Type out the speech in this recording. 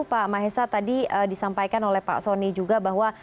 pak mahesa tadi disampaikan oleh pak soni juga bahwa